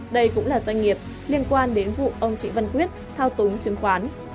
đây cũng là doanh nghiệp liên quan đến vụ ông trịnh văn quyết thao túng chứng khoán